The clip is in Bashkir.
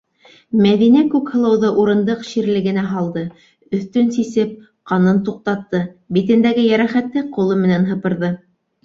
- Мәҙинә Күкһылыуҙы урындыҡ ширлегенә һалды, өҫтөн сисеп, ҡанын туҡтатты, битендәге йәрәхәтте ҡулы менән һыпырҙы.